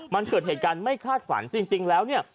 มันเกิดเหตุการณ์ไม่คาดฝันจริงแล้วเนี่ย